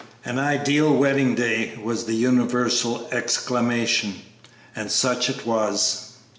"An ideal wedding day!" was the universal exclamation; and such it was.